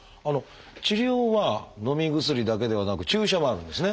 治療はのみ薬だけではなく注射もあるんですね。